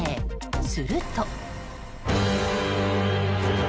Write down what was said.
すると。